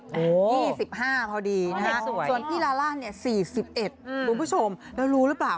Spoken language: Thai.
๒๕พอดีนะฮะส่วนพี่ลาล่าเนี่ย๔๑คุณผู้ชมแล้วรู้หรือเปล่า